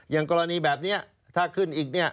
อย่างกรณีแบบนี้ถ้าขึ้นอีก